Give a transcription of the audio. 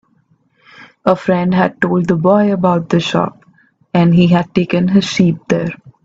A friend had told the boy about the shop, and he had taken his sheep there.